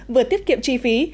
vừa tiết kiệm chi phí